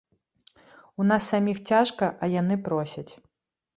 У нас саміх цяжка, а яны просяць.